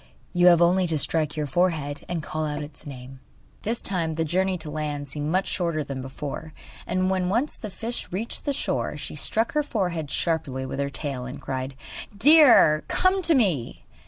You have only to strike your forehead, and call out its name.' This time the journey to land seemed much shorter than before, and when once the fish reached the shore she struck her forehead sharply with her tail, and cried: 'Deer, come to me!